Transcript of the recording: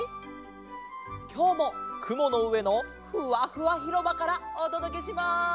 きょうもくものうえのふわふわひろばからおとどけします。